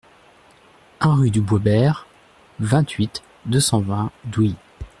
un rue du Bois Bert, vingt-huit, deux cent vingt, Douy